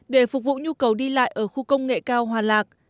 để phục vụ nhu cầu đi lại ở khu công nghệ cao hòa lạc